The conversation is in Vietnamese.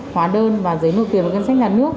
hóa đơn và giấy nội tiền và cân sách nhà nước